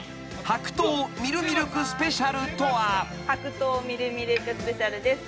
白桃ミルミルクスペシャルです。